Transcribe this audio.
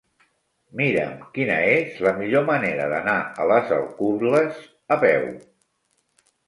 Mira'm quina és la millor manera d'anar a les Alcubles a peu.